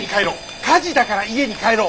火事だから家に帰ろう！